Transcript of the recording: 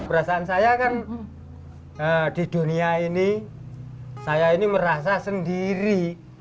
perasaan saya kan di dunia ini saya ini merasa sendiri